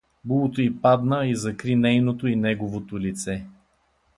Булото й падна и закри нейното и неговото лице.